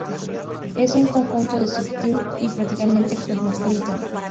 En su conjunto, la subtribu es prácticamente cosmopolita.